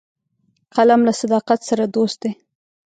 قلم له صداقت سره دوست دی